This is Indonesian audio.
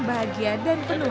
bahagia dan penuhan